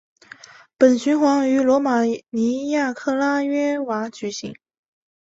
本循环于罗马尼亚克拉约瓦举行。